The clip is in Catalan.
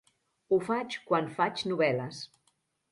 Ho faig quan faig novel·les.